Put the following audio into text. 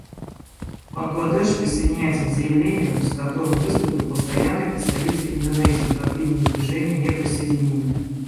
Бангладеш присоединяется к заявлению, с которым выступил Постоянный представитель Индонезии от имени Движения неприсоединения.